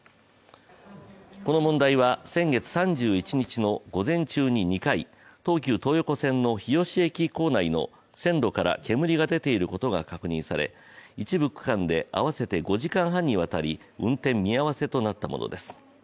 この問題は先月３１日の午前中に２回東急東横線の日吉駅構内の線路から煙が出ていることが確認され、一部区間で合わせて５時間半にわたり運転見合わせとなったものです。